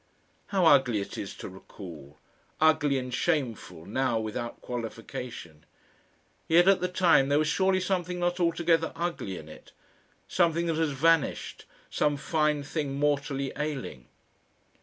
How ugly it is to recall; ugly and shameful now without qualification! Yet at the time there was surely something not altogether ugly in it something that has vanished, some fine thing mortally ailing.